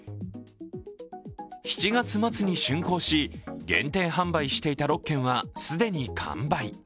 ７月末に竣工し、限定販売していた６軒は既に完売。